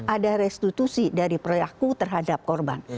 ada restitusi dari perilaku terhadap korban